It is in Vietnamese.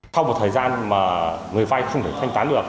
sau một thời gian mà người vay không thể thanh tán được